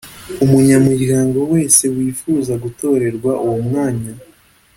umunyamuryango wese wifuza gutorerwa uwo wamwanya